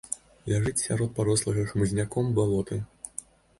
Ляжыць сярод парослага хмызняком балота.